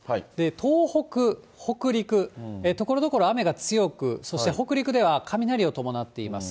東北、北陸、ところどころ、雨が強く、そして北陸では雷を伴っています。